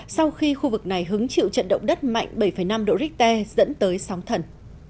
sau khi khu vực này hứng chịu trận động đất mạnh bảy năm độ richter dẫn tới sóng thần